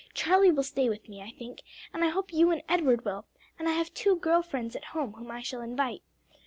"Charlie will stay with me, I think, and I hope you and Edward will, and I have two girl friends at home whom I shall invite.